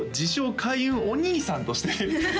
開運お兄さんとしてね